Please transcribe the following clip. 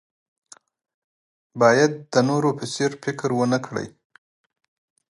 باید د نورو په څېر فکر ونه کړئ.